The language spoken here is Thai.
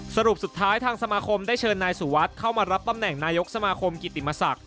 สรุปสุดท้ายทางสมาคมได้เชิญนายสุวัสดิ์เข้ามารับตำแหน่งนายกสมาคมกิติมศักดิ